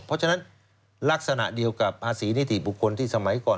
เพราะฉะนั้นลักษณะเดียวกับภาษีนิติบุคคลที่สมัยก่อน